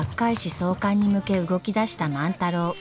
創刊に向け動き出した万太郎。